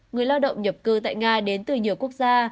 người lao động nhập cư tại nga đến từ nhiều quốc gia